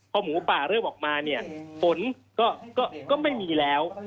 พอหมูป่าเริ่มออกมาเนี่ยฝนก็ไม่มีแล้ว